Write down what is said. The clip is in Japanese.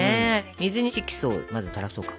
水に色素をまずたらそうか。